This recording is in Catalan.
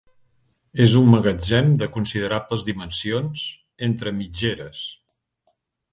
És un magatzem de considerables dimensions, entre mitgeres.